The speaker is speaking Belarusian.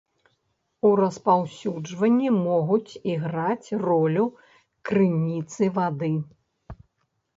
У распаўсюджванні могуць іграць ролю крыніцы вады.